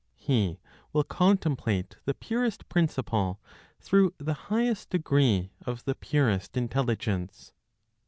He will contemplate the purest Principle, through the highest degree of the purest Intelligence.